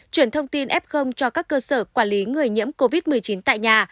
chuyển thông tin f cho các cơ sở quản lý người nhiễm covid một mươi chín tại nhà